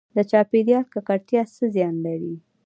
د چاپیریال ککړتیا څه زیان لري؟